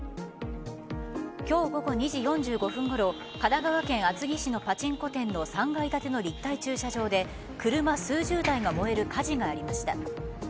今日午後２時４５分ごろ神奈川県厚木市のパチンコ店の３階建ての立体駐車場で車数十台が燃える火事がありました。